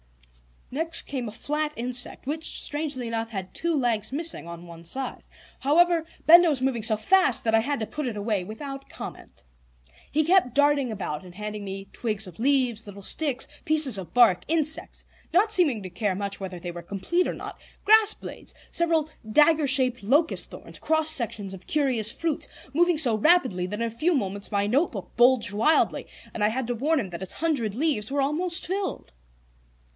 Next came a flat insect, which, strangely enough, had two legs missing on one side. However, Benda was moving so fast that I had to put it away without comment. He kept darting about and handing me twigs of leaves, little sticks, pieces of bark, insects, not seeming to care much whether they were complete or not; grass blades, several dagger shaped locust thorns, cross sections of curious fruits, moving so rapidly that in a few moments my notebook bulged widely, and I had to warn him that its hundred leaves were almost filled.